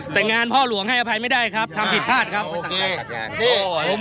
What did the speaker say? แต่งานพ่อหลวงให้อภัยไม่ได้ครับทำผิดพลาดครับ